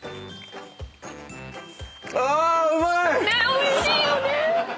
おいしいよね。